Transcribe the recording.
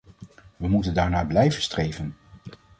We moeten daarnaar blijven streven.